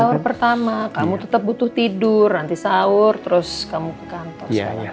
sahur pertama kamu tetap butuh tidur nanti sahur terus kamu ke kantor